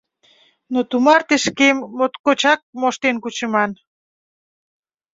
Но тумарте шкем моткочак моштен кучыман.